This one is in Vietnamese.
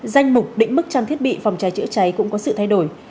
danh mục định mức trang thiết bị phòng cháy chữa cháy cũng có sự thay đổi